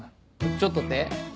「ちょっと」って？